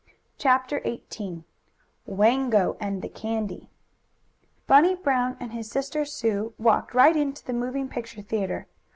CHAPTER XVIII WANGO AND THE CANDY Bunny Brown and his sister Sue walked right into the moving picture theatre.